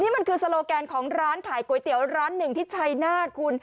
นี่มันคือโซโลแกนของร้านขายก๋วยเตี๋ยวร้านหนึ่งที่ชัยนาธคุณ